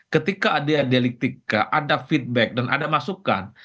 ketika ada dialektika ada feedback dan ada masukan